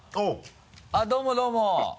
あっどうもどうも。